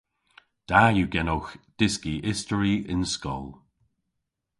Da yw genowgh dyski istori y'n skol.